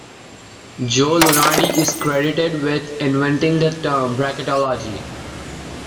Joe Lunardi is credited with inventing the term "bracketology".